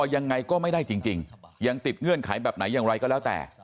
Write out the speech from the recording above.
ยังไงก็ไม่ได้จริงยังติดเงื่อนไขแบบไหนอย่างไรก็แล้วแต่